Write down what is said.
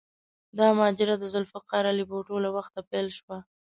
دا ماجرا د ذوالفقار علي بوټو له وخته پیل شوه.